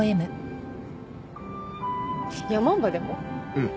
うん。